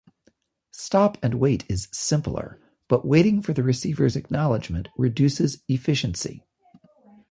Stop-and-wait is simpler, but waiting for the receiver's acknowledgment reduces efficiency.